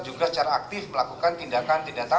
juga secara aktif melakukan tindakan tindakan